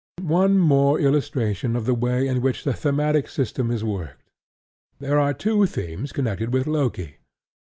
One more illustration of the way in which the thematic system is worked. There are two themes connected with Loki.